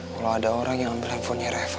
kalo ada orang yang ambil handphonenya reva